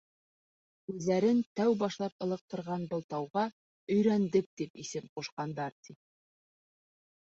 Үҙҙәрен тәү башлап ылыҡтырған был тауға «Өйрәндек» тип исем ҡушҡандар, ти.